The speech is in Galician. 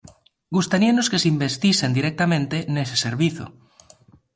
Gustaríanos que se investisen directamente nese servizo.